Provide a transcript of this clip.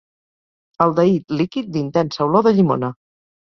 Aldehid líquid d'intensa olor de llimona.